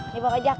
ini pak ojak